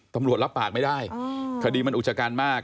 ตำรวจรับปากไม่ได้คดีมันอุจการมาก